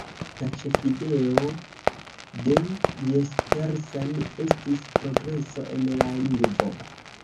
La ĉefideo de Jespersen estis progreso en la lingvo.